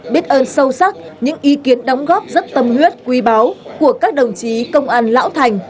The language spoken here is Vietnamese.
biết ơn sâu sắc những ý kiến đóng góp rất tâm huyết quý báu của các đồng chí công an lão thành